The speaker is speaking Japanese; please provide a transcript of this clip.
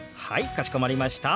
かしこまりました。